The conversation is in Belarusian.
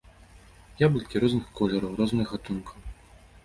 Яблыкі розных колераў, розных гатункаў.